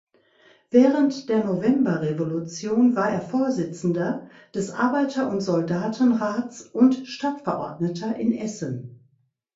Während der Novemberrevolution war er Vorsitzender des Arbeiter- und Soldatenrats und Stadtverordneter in Essen.